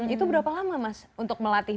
itu berapa lama mas untuk melatih